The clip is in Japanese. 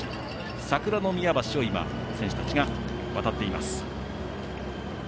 桜宮橋を選手たちが渡っています。